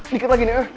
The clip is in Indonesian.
dikit lagi nih